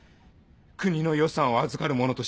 国の予算を預かる者として。